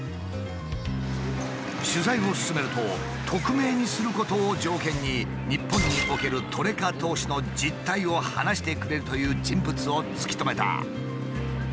取材を進めると匿名にすることを条件に日本におけるトレカ投資の実態を話してくれるという人物を突き止めた。